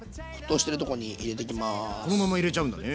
このまま入れちゃうんだね。